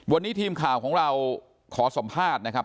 วันนี้ทีมข่าวของเราขอสัมภาษณ์นะครับ